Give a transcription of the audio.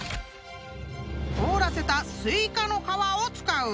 ［凍らせたスイカの皮を使う］